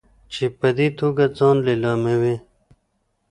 چې په دې توګه ځان لیلاموي.